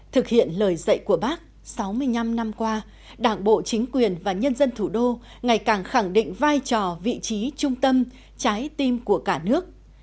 thực hiện lời dạy của bác sáu mươi năm năm qua đảng bộ chính quyền và nhân dân thủ đô ngày càng khẳng định vai trò vị trí trung tâm trái tim của cả nước